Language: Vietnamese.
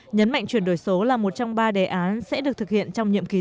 nhấn mạnh chuyển đổi số là một trong ba đề án sẽ được thực hiện trong nhiệm kỳ tới